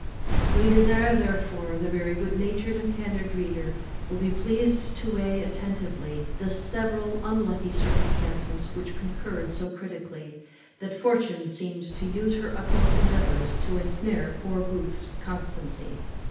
We desire, therefore, the good natured and candid reader will be pleased to weigh attentively the several unlucky circumstances which concurred so critically, that Fortune seemed to have used her utmost endeavours to ensnare poor Booth's constancy.